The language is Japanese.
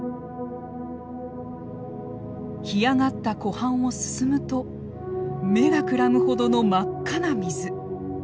干上がった湖畔を進むと目がくらむほどの真っ赤な水。